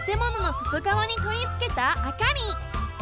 そとがわにとりつけたあかり。